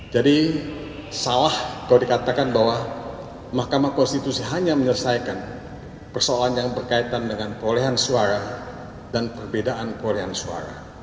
salah kalau dikatakan bahwa mahkamah konstitusi hanya menyelesaikan persoalan yang berkaitan dengan perolehan suara dan perbedaan perolehan suara